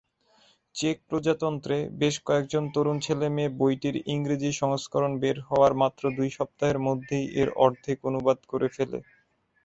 Check প্রজাতন্ত্রে, বেশ কয়েকজন তরুণ ছেলেমেয়ে বইটির ইংরেজি সংস্করণ বের হওয়ার মাত্র দুই সপ্তাহের মধ্যেই এর অর্ধেক অনুবাদ করে ফেলে।